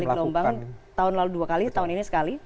dari gelombang tahun lalu dua kali tahun ini sekali